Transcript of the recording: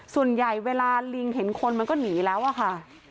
ส่วนใหญ่เวลาลิงเห็นคนมันก็หนีแล้วอะค่ะ